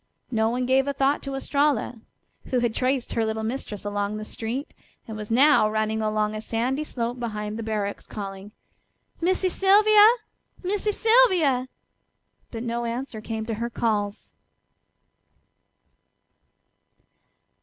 No one gave a thought to Estralla, who had traced her little mistress along the street, and was now running along a sandy slope beyond the barracks calling: "Missy Sylvia! Missy Sylvia!" But no answer came to her calls.